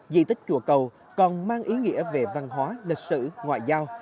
di tích chùa cầu còn mang ý nghĩa về văn hóa lịch sử ngoại giao